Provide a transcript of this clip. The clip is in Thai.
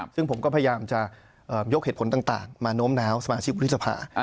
ซึ่งผมก็พยายามจะยกเหตุผลต่างมาโน้มน้าวสมาชิกวุฒิสภา